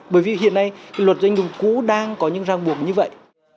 bởi vì hiện nay luật doanh dụng cũ đang có những ràng buộc như vậy